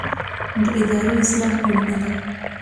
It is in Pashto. د ادارو اصلاح اړینه ده